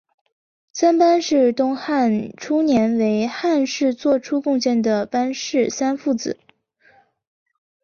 三班是东汉初年为汉室作出贡献的班氏三父子。